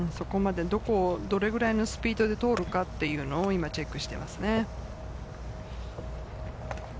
どれくらいのスピードで通るかというのをチェックしていますね。